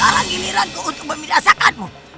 sekarang giliran ku untuk memindahkanmu